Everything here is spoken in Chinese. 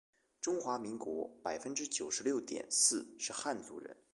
中华民国百分之九十六点四是汉族人